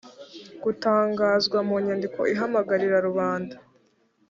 gutangazwa mu nyandiko ihamagarira rubanda